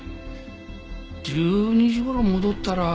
１２時頃戻ったら。